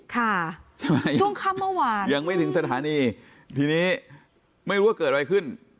ช่วงค่ำเมื่อวานยังไม่ถึงสถานีทีนี้ไม่รู้ว่าเกิดอะไรขึ้น